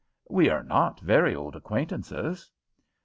We are not very old acquaintances."